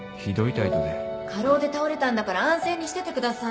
過労で倒れたんだから安静にしててください。